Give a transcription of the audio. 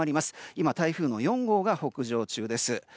今、台風の４号が北上中です。